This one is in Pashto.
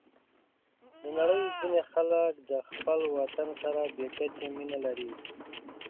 د نړۍ ځینې خلک د خپل وطن سره بې کچې مینه لري.